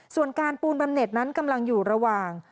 ส่วนการปูนบำเน็ตนั้นกำลังอยู่ระหว่าง